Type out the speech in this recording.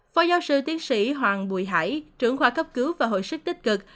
phó giáo sư tiến sĩ hoàng bùi hải trưởng khoa cấp cứu và hồi sức tích cực